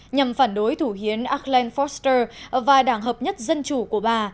nhằm phản đối thủ hiến acland foster và đảng hợp nhất dân chủ của bà